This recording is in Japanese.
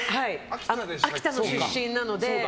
秋田の出身なので。